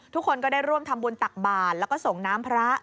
ทุกคนก็ได้ร่วมทำบุญตักบาทแล้วก็ส่งน้ำพระ